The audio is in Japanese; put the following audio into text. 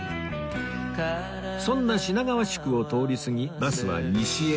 そんな品川宿を通り過ぎバスは西へ